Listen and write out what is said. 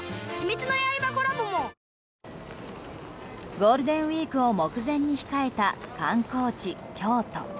ゴールデンウィークを目前に控えた観光地・京都。